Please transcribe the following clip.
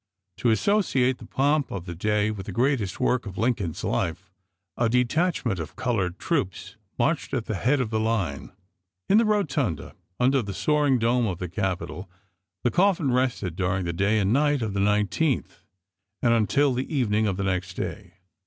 To associate the pomp of the day with the greatest work of Lincoln's life, a detachment of colored troops marched at the head of the line. In the rotunda, under the soaring dome of the Capitol, the coffin rested during the April, 1865. day and night of the 19th and until the evening of the next day.